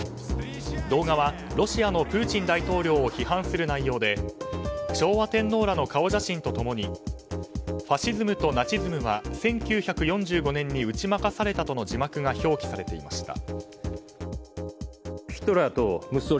動画はロシアのプーチン大統領を批判する内容で昭和天皇らの顔写真と共にファシズムとナチズムは１９４５年に打ち負かされたとの字幕が表記されていました。